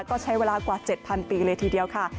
ก็ใช้เวลากว่า๗๐๐ปีเลยทีเดียวค่ะ